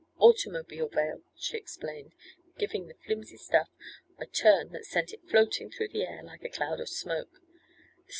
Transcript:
"Automobile veil," she explained, giving the flimsy stuff a turn that sent it floating through the air like a cloud of smoke.